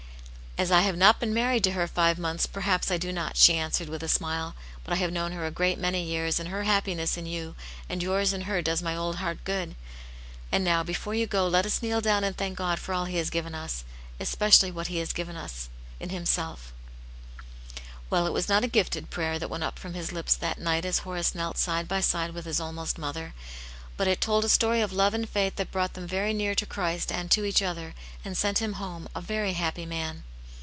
"As I have not been married to her five months, perhaps I do not," she answered, with a smile. " But I have known her a great many years, and her hap piness in you and yours in her does my old heart gooA. And now, before you go, let us kneel down and thank God for all He Vvas gwetv >3.^, ^^^^cvally that He has g^iven us Himse\f " Aunt Janets Hero, 139 Well, it w^as not a " gifted prayer" that went up froitthis lips that night as Horace knelt side by* side with his almost mother, but it told a story of love and faith that brought them very near to Christ and to each other, and sent him home a very happy man.